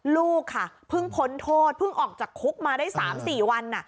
ลูกค่ะเพิ่งพ้นโทษเพิ่งออกจากคุกมาได้๓๔วัน